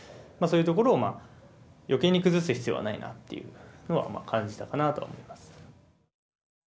そういうところを余計に崩す必要はないなっていうのは感じたかなとは思います。